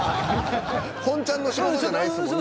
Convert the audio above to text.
ホンチャンの仕事じゃないですもんね。